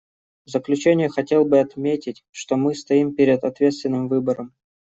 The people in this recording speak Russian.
В заключение хотел бы отметить, что мы стоим перед ответственным выбором.